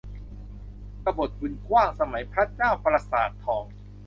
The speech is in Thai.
กบฏบุญกว้าง สมัยพระเจ้าประสาททอง